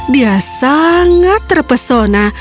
dia sangat terpesona